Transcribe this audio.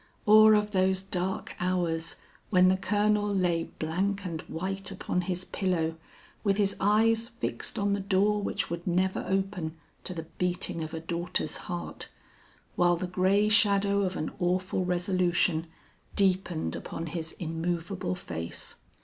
or of those dark hours when the Colonel lay blank and white upon his pillow, with his eyes fixed on the door which would never open to the beating of a daughter's heart, while the gray shadow of an awful resolution deepened upon his immovable face.